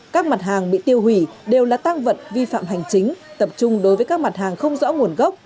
các mặt hàng bị tiêu hủy đều là tăng vật vi phạm hành chính tập trung đối với các mặt hàng không rõ nguồn gốc